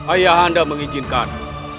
ayah anda mengizinkan